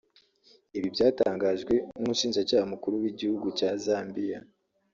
Ibi byatangajwe n’umushinjacyaha mukuru w’Igihugu cya Zambia